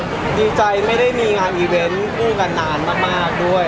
ก็ดีใจไม่ได้งานอีเวนต้นกันนานมากด้วย